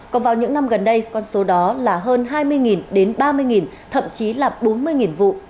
còn vào những năm gần đây con số đó là hơn hai mươi đến ba mươi thậm chí là bốn mươi vụ